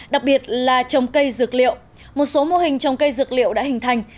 đặc biệt là trồng cây dược liệu một số mô hình trồng cây dược liệu đã hình thành